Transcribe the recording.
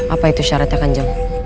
apa itu syaratnya kanjong